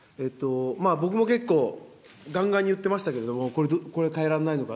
僕も結構、がんがんに言ってましたけれども、これ、変えられないのか。